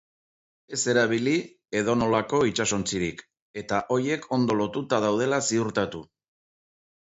Ez erabili edonolako itsasontzirik, eta horiek ondo lotuta daudela ziurtatu.